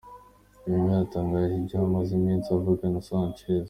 Wenger yatangaje ibyo amaze iminsi avugana na Sanchez.